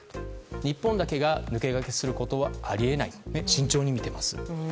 日本だけが抜け駆けすることはあり得ないと慎重に見ています。